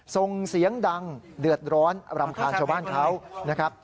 ส่งเสียงดังเดือดร้อนรำคาญชาวบ้านเขานะครับ